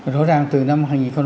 rõ ràng từ năm hai nghìn một mươi tám